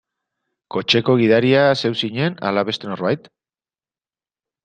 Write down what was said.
Kotxeko gidaria zeu zinen ala beste norbait?